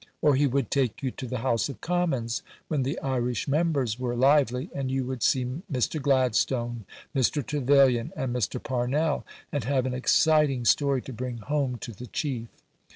Or he would take you to the House of Commons when the Irish members were lively, and you would see Mr. Gladstone, Mr. Trevelyan and Mr. Parnell, and have an exciting story to bring home to the Chief.